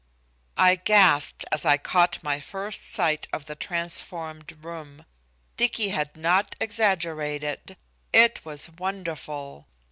I gasped as I caught my first sight of the transformed room. Dicky had not exaggerated it was wonderful.